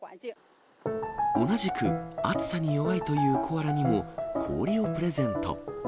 同じく、暑さに弱いというコアラにも、氷をプレゼント。